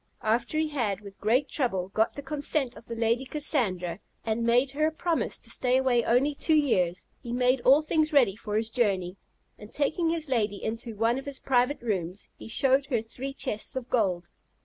After he had, with great trouble, got the consent of the Lady Cassandra, and made her a promise to stay away only two years, he made all things ready for his journey; and taking his lady into one of his private rooms, he showed her three chests of gold.